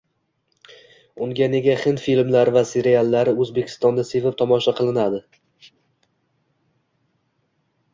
Unda nega hind filmlari va seriallari O`zbekistonda sevib tomosha qilinadi